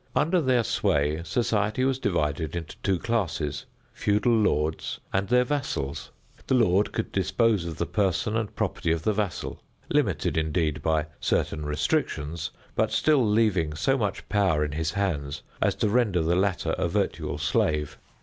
Under their sway society was divided into two classes feudal lords and their vassals. The lord could dispose of the person and property of the vassal, limited, indeed, by certain restrictions, but still leaving so much power in his hands as to render the latter a virtual slave.